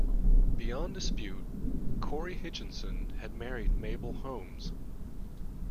Beyond dispute, Corry Hutchinson had married Mabel Holmes.